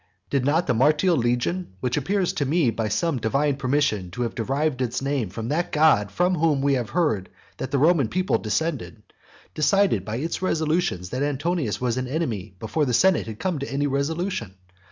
did not the Martial legion (which appears to me by some divine permission to have derived its name from that god from whom we have heard that the Roman people descended) decide by its resolutions that Antonius was an enemy before the senate had come to any resolution?